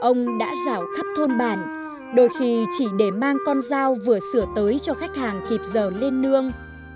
ông đã rào khắp thôn bản đôi khi chỉ để mang con dao vừa sửa tới cho khách hàng kịp giờ lên nương